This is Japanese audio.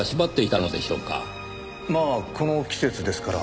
まあこの季節ですから。